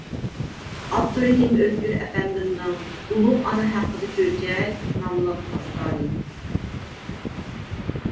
ئابدۇرېھىم ئۆتكۈر ئەپەندىمنىڭ «ئۇلۇغ ئانا ھەققىدە چۆچەك» ناملىق داستانى.